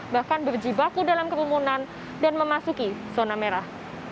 bahkan berjibaku dalam kerumunan dan memasuki zona merah